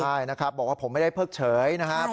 ใช่นะครับบอกว่าผมไม่ได้เพิกเฉยนะครับ